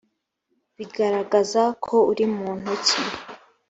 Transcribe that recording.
bigaragaza ko uri muntu ki